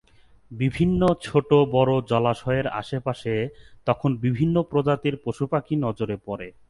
বিভিন্ন ছোট-বড় জলাশয়ের আশেপাশে তখন বিভিন্ন প্রজাতির পশুপাখি নজরে পড়ে।